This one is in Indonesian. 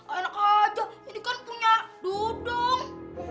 enak aja ini kan punya duduk